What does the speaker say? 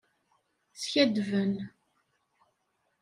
Skaddben.